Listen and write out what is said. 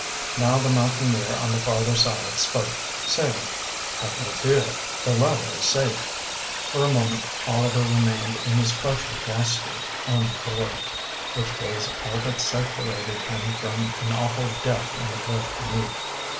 Now the Mountaineer on the farther side spoke, saying: "Have no fear, the ladder is safe." For a moment Oliver remained in his crouching posture on the board, which was all that separated him from an awful death in the gulf beneath.